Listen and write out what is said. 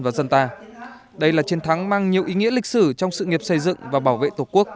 và dân ta đây là chiến thắng mang nhiều ý nghĩa lịch sử trong sự nghiệp xây dựng và bảo vệ tổ quốc